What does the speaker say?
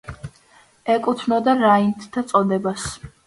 ეკუთვნოდა რაინდთა წოდებას.